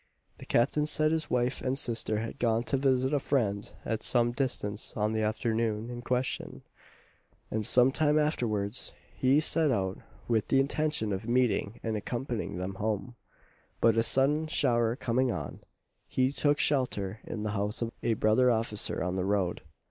The Captain said his wife and sister had gone to visit a friend at some distance on the afternoon in question, and some time afterwards he set out with the intention of meeting and accompanying them home; but a sudden shower coming on, he took shelter in the house of a brother officer on the road.